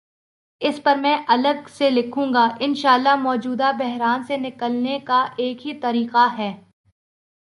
اس پرمیں الگ سے لکھوں گا، انشا اللہ مو جودہ بحران سے نکلنے کا ایک ہی طریقہ ہے۔